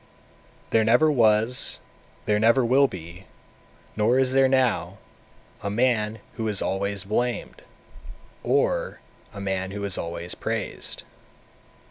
228. There never was, there never will be, nor is there now, a man who is always blamed, or a man who is always praised.